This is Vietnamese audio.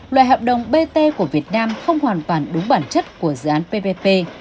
loại hợp đồng bt của việt nam không hoàn toàn đúng bản chất của dự án ppp